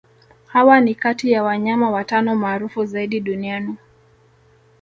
Hawa ni kati ya wanyama watano maarufu zaidi duniani